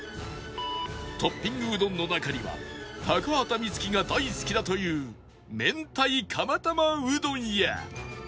トッピングうどんの中には高畑充希が大好きだという明太釜玉うどんや